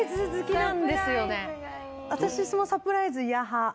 私そのサプライズ嫌派。